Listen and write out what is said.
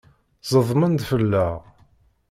Ẓedmen-d fell-aɣ!